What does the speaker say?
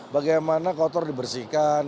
bagaimana kotor dibersihkan